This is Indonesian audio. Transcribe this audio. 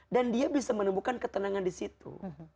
dan dia bisa menemukan ketenangan di situ